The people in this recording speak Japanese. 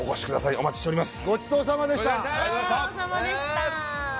お待ちしております